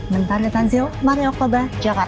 mentari tansil mario koba jakarta